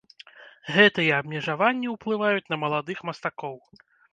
Гэтыя абмежаванні ўплываюць на маладых мастакоў.